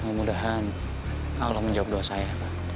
mudah mudahan allah menjawab doa saya